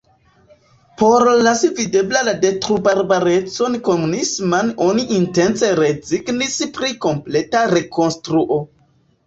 Por lasi videbla la detrubarbarecon komunisman oni intence rezignis pri kompleta rekonstruo.